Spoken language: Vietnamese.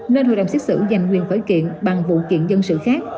nên hội đồng xét xử dành quyền khởi kiện bằng vụ kiện dân sự khác